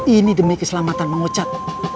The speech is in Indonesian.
ini demi keselamatan mang ujat